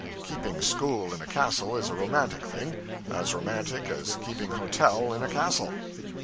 Keeping school in a castle is a romantic thing; as romantic as keeping hotel in a castle.